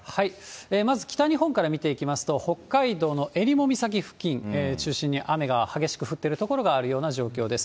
まず北日本から見ていきますと、北海道の襟裳岬付近中心に雨が激しく降っている所がある状況です。